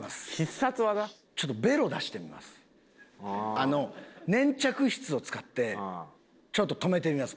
あの粘着質を使ってちょっと止めてみますパンティ。